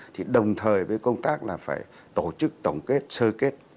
thì đồng thời với công tác là phải tổ chức tổng kết sơ kết